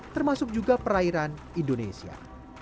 termasuk juga perairan indonesia